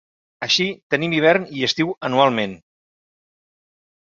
Així, tenim hivern i estiu anualment.